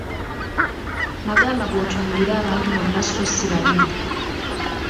Magamaga otunuulire abantu bonna so si babiri.